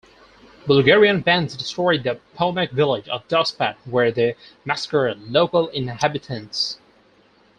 Bulgarian bands destroyed the Pomak village of Dospat where they massacred local inhabitants.